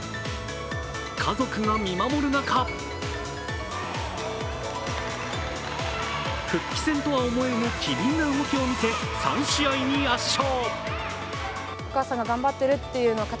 家族が見守る中復帰戦とは思えぬ機敏な動きを見せ３試合に圧勝。